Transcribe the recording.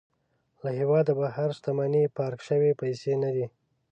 له هېواده بهر شتمني پارک شوې پيسې نه دي.